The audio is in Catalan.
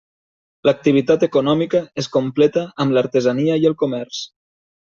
L'activitat econòmica es completa amb l'artesania i el comerç.